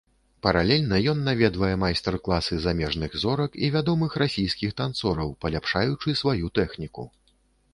Паралельна ён наведвае майстар-класы замежных зорак і вядомых расійскіх танцораў, паляпшаючы сваю тэхніку.